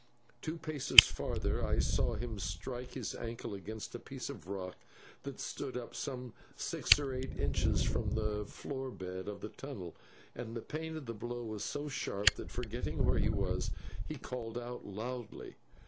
Two paces farther I saw him strike his ankle against a piece of rock that stood up some six or eight inches from the floor bed of the tunnel, and the pain of the blow was so sharp that, forgetting where he was, he called out loudly.